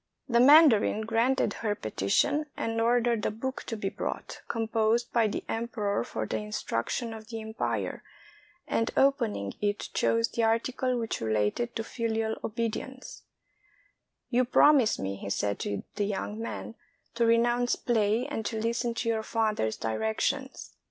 The mandarin granted her petition, and ordered a book to be brought, composed by the emperor for the instruction of the empire, and opening it chose the article which related to filial obedience, "You promise me," he said to the young man, *'to renounce play and to listen to your father's directions.